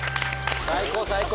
最高最高！